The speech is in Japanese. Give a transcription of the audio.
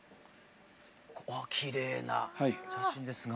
きれいな写真ですが。